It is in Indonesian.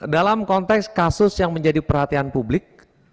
dalam konteks kasus yang menjadi perhatian publik